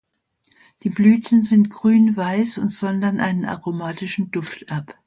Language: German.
Die Blüten sind grünweiß und sondern einen aromatischen Duft ab.